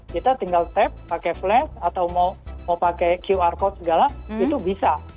kita tinggal tap pakai flash atau mau pakai qr code segala itu bisa